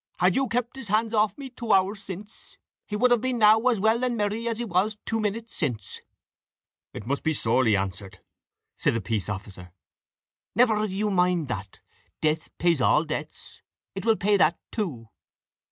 "Had you kept his hands off me twa hours since, he would have been now as well and merry as he was twa minutes since." "It must be sorely answered," said the peace officer. "Never you mind that. Death pays all debts; it will pay that too."